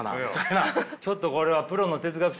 ちょっとこれはプロの哲学者に聞きます？